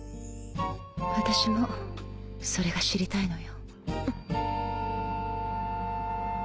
私もそれが知りたいのよ。